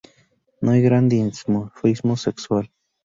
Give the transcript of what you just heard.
No hay gran dimorfismo sexual.